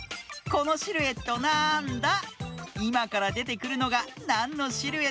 このシルエットなんだ？